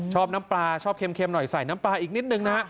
น้ำปลาชอบเค็มหน่อยใส่น้ำปลาอีกนิดนึงนะฮะ